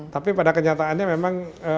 tapi pada kenyataannya memang